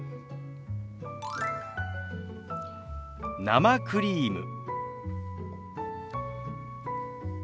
「生クリーム」。